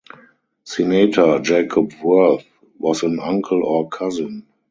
Senator Jacob Worth was an uncle or cousin.